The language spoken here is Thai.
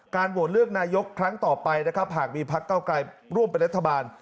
๓การโหวนเลือกนายกครั้งต่อไปหากมีภักดิ์เก้าไกรร่วมเป็นรัฐบาล